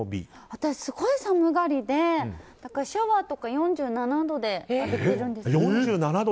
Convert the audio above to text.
私すごい寒がりでシャワーとか４７度で浴びているんですけど。